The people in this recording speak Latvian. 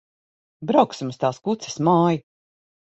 Brauksim uz tās kuces māju.